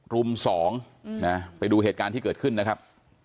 รุม๒นะไปดูเหตุการณ์ที่เกิดขึ้นนะครับ